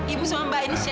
ibu sama mbak ini siapa